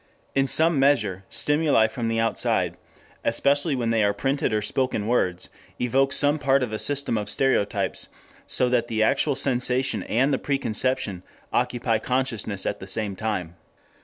In some measure, stimuli from the outside, especially when they are printed or spoken words, evoke some part of a system of stereotypes, so that the actual sensation and the preconception occupy consciousness at the same time.